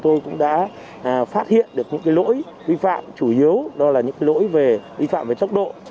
tôi cũng đã phát hiện được những lỗi vi phạm chủ yếu đó là những lỗi về vi phạm về tốc độ